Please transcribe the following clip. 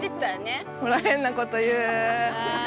ほら変なこと言う。